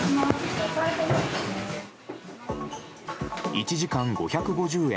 １時間５５０円